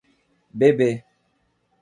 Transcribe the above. Bebê